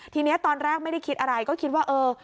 ทีนี้ตอนแรกไม่ได้คิดอะไรก็คิดว่าเออ